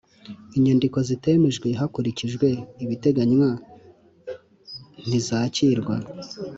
Inyandiko zitemejwe hakurikijwe ibiteganywa ntizakirwa